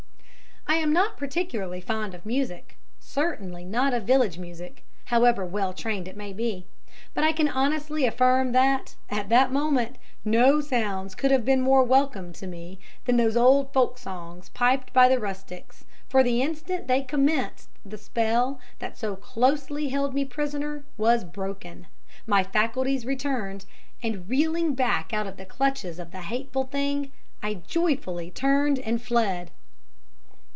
I am not particularly fond of music certainly not of village music, however well trained it may be; but I can honestly affirm that, at that moment, no sounds could have been more welcome to me than those old folk songs piped by the rustics, for the instant they commenced the spell that so closely held me prisoner was broken, my faculties returned, and reeling back out of the clutches of the hateful Thing, I joyfully turned and fled.